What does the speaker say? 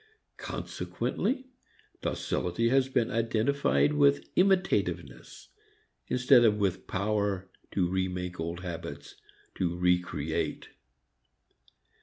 Consequently docility has been identified with imitativeness, instead of with power to re make old habits, to re create.